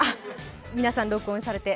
皆さん録音されて。